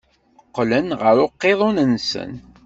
Qqlen ɣer uqiḍun-nsen.